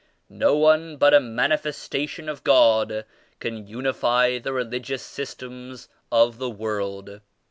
No one but a Manifestation of God can unify the religious systems of the world.